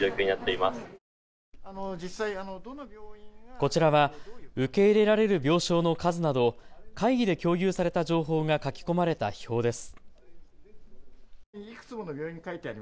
こちらは受け入れられる病床の数など会議で共有された情報が書き込まれた表です。